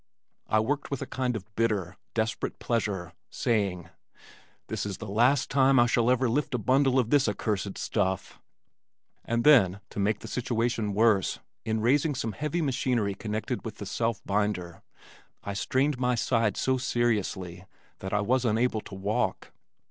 I worked with a kind of bitter, desperate pleasure, saying, "This is the last time I shall ever lift a bundle of this accursed stuff." And then, to make the situation worse, in raising some heavy machinery connected with the self binder, I strained my side so seriously that I was unable to walk.